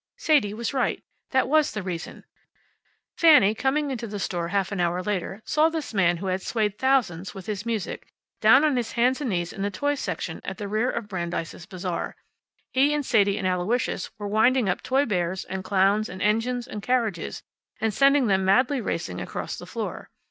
Sadie was right. That was the reason. Fanny, coming into the store half an hour later, saw this man who had swayed thousands with his music, down on his hands and knees in the toy section at the rear of Brandeis' Bazaar. He and Sadie and Aloysius were winding up toy bears, and clowns, and engines, and carriages, and sending them madly racing across the floor.